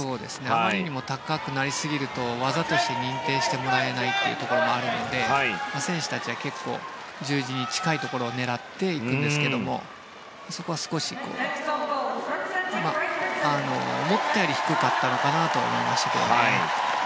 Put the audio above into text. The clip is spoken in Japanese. あまりにも高くなりすぎると技として認定してもらえないというところもあるので選手たちは結構十字に近いところを狙っていくんですけどそこは少し思ったより低かったのかなと思いましたけどね。